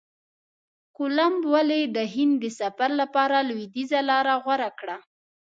کولمب ولي د هند د سفر لپاره لویدیځه لاره غوره کړه؟